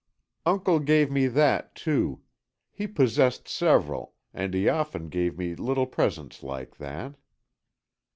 "Uncle gave me that, too. He possessed several, and he often gave me little presents like that."